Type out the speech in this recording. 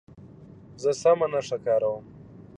زه سمه نښه کاروم.